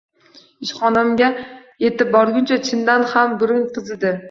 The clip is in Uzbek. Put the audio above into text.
Ishxonamga etib borguncha chindan ham gurung qizidi